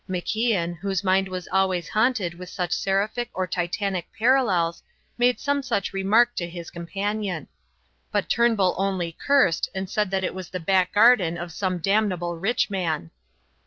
MacIan, whose mind was always haunted with such seraphic or titanic parallels, made some such remark to his companion. But Turnbull only cursed and said that it was the back garden of some damnable rich man.